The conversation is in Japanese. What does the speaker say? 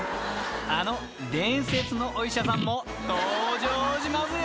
［あの伝説のお医者さんも登場しますよ！］